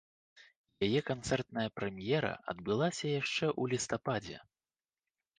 Яе канцэртная прэм'ера адбылася яшчэ ў лістападзе.